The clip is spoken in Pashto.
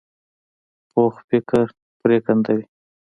پوخ فکر پرېکنده وي